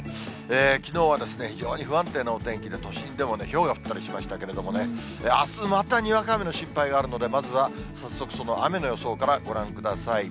きのうは非常に不安定なお天気で、都心でもひょうが降ったりしましたけれどもね、あす、またにわか雨の心配があるので、まずは早速、その雨の予想からご覧ください。